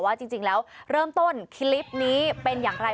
ว่าจริงแล้วเริ่มต้นคลิปนี้เป็นอย่างไร